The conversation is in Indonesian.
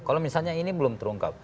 kalau misalnya ini belum terungkap